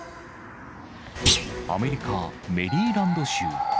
アメリカ・メリーランド州。